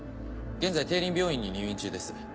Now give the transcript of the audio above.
現在帝林病院に入院中です。